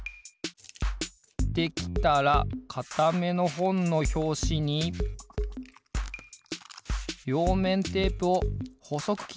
できたらかためのほんのひょうしにりょうめんテープをほそくきって